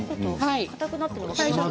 かたくなってますね。